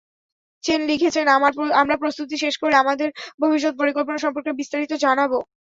Chain লিখেছেন, আমরা প্রস্তুতি শেষ করে আমাদের ভবিষ্যৎ পরিকল্পনা সম্পর্কে বিস্তারিত জানাব।